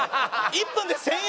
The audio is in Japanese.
１分で１０００円？